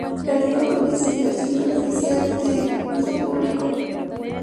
La lengua propia siguió siendo la oficial y de uso público.